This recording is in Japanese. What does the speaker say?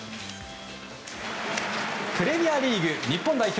プレミアリーグ、日本代表